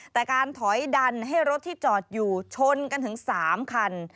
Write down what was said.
แต่การถอยดันให้รถที่จอดอยู่ชนกันถึง๓คัน